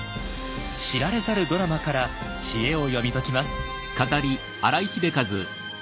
知られざるドラマから知恵を読み解きます。